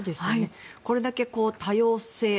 これだけ多様性